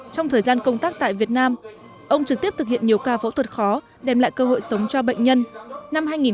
trong thời gian công tác tại việt nam ông trực tiếp thực hiện nhiều ca phẫu thuật khó đem lại cơ hội sống cho bệnh nhân